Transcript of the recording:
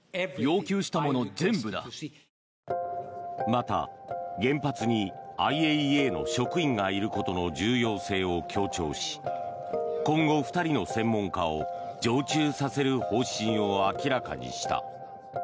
また、原発にＩＡＥＡの職員がいることの重要性を強調し今後、２人の専門家を常駐させる方針を明らかにした。